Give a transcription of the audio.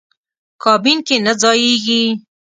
کابین کې نه ځایېږي.